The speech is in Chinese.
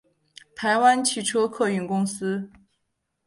台湾汽车客运公司